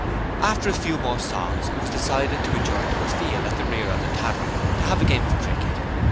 After a few more songs it was decided to adjourn to a field at the rear of the tavern to have a game of cricket.